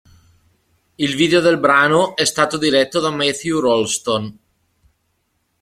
Il video del brano è stato diretto da Matthew Rolston.